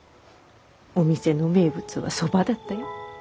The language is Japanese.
お店の名物はそばだったよ。